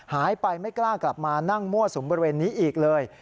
ไม่กล้ากลับมานั่งมั่วสุมบริเวณนี้อีกเลย